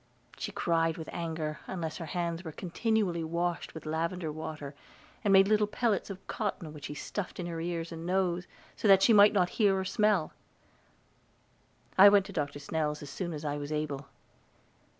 She cried with anger, unless her hands were continually washed with lavender water, and made little pellets of cotton which she stuffed in her ears and nose, so that she might not hear or smell. I went to Dr. Snell's as soon as I was able.